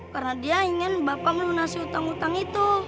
karena dia ingin bapak melunasi hutang hutang itu